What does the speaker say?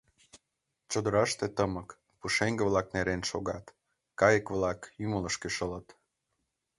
Чодыраште тымык: пушеҥге-влак нерен шогат, кайык-влак ӱмылышкӧ шылыт.